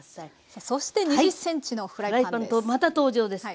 さあそして２０ｃｍのフライパンです。